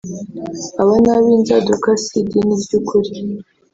“aba ni ab’inzaduka si idini ry’ukuri